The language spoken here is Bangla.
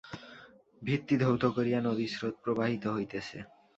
ভিত্তি ধৌত করিয়া নদীস্রোত প্রবাহিত হইতেছে।